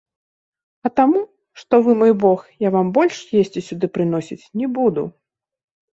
А таму, што вы мой бог, я вам больш есці сюды прыносіць не буду.